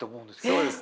そうですね。